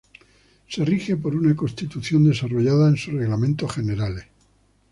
Se rige por una Constitución, desarrollada en sus Reglamentos Generales.